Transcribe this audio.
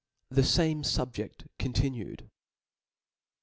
IThefame SuhjeSi continued.